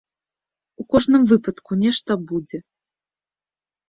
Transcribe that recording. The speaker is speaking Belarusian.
У кожным выпадку нешта будзе.